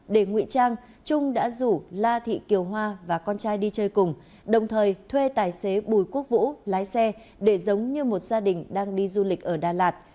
để ngụy trang trung đã rủ la thị kiều hoa và con trai đi chơi cùng đồng thời thuê tài xế bùi quốc vũ lái xe để giống như một gia đình đang đi du lịch ở đà lạt